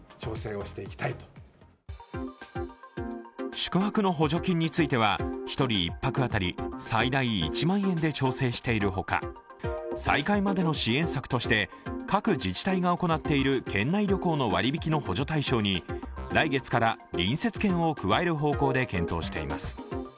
宿泊の補助金については１人１泊当たり最大１万円で調整しているほか再開までの支援策として各自治体が行っている県内旅行の割引の補助対象に来月から隣接県を加える方向で検討しています。